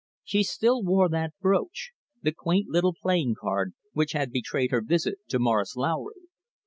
She still wore that brooch, the quaint little playing card which had betrayed her visit to Morris Lowry.